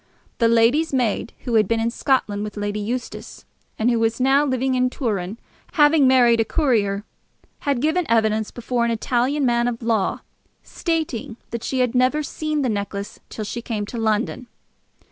The lady's maid who had been in Scotland with Lady Eustace, and who was now living in Turin, having married a courier, had given evidence before an Italian man of law, stating that she had never seen the necklace till she came to London.